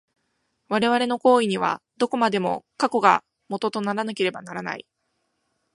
我々の行為には、どこまでも過去が基とならなければならない。